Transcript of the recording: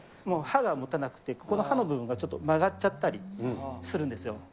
もう刃がもたなくて、この刃の部分が、ちょっと曲がっちゃったりするんですよ。